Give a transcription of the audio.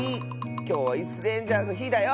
きょうは「イスレンジャー」のひだよ！